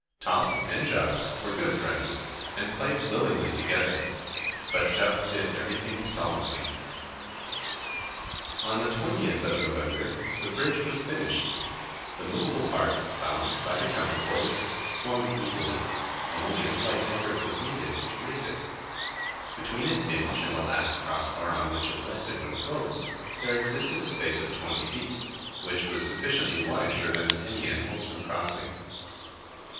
Top and Jup were good friends and played willingly together, but Jup did everything solemnly. On the 20th of November the bridge was finished. The movable part, balanced by the counterpoise, swung easily, and only a slight effort was needed to raise it; between its hinge and the last cross bar on which it rested when closed, there existed a space of twenty feet, which was sufficiently wide to prevent any animals from crossing.